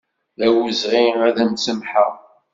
D awezɣi ad m-samḥeɣ.